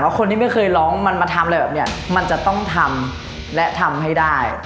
คนที่ไม่เคยร้องมันมาทำอะไรแบบนี้มันจะต้องทำและทำให้ได้